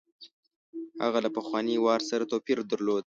له هغه پخواني وار سره توپیر درلود.